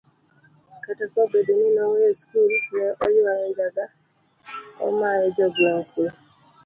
kata ka obedo ni noweyo skul, ne oywayo njaga, omayo jogweng' kwe